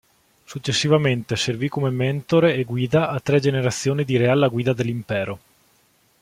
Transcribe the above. Successivamente servì come mentore e guida a tre generazioni di re alla guida dell'impero.